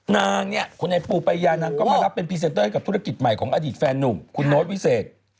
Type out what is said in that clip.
นางเนี่ยคุณไอปูปายานางก็มารับเป็นพรีเซนเตอร์ให้กับธุรกิจใหม่ของอดีตแฟนหนุ่มคุณโน้ตวิเศษ